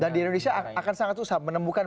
dan di indonesia akan sangat susah menemukan